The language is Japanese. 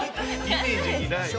イメージにない。